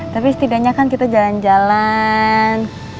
tapi setidaknya kan kita jalan jalan